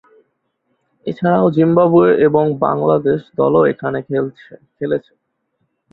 এছাড়াও জিম্বাবুয়ে এবং বাংলাদেশ দলও এখানে খেলেছে।